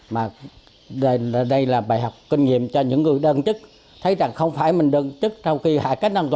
mà đây là bài học kinh nghiệm cho những người đơn chức thấy rằng không phải mình đơn chức sau khi hạ cánh an toàn để muốn gì làm gì muốn